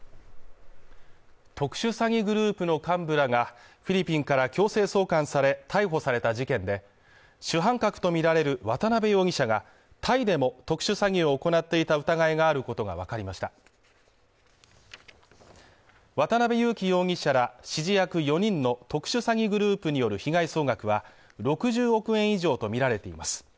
特殊詐欺グループの幹部らがフィリピンから強制送還され逮捕された事件で主犯格とみられる渡辺容疑者がタイでも特殊詐欺を行っていた疑いがあることが分かりました渡辺優樹容疑者ら指示役４人の特殊詐欺グループによる被害総額は６０億円以上とみられています